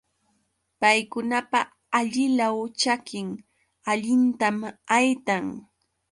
Paykunapa allilaw ćhakin allintam haytan.